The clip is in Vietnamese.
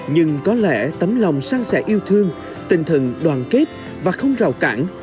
nhưng có lẽ tấm lòng sang sẻ yêu thương tinh thần đoàn kết và không rào cản